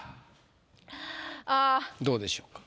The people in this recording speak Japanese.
どうでしょうか？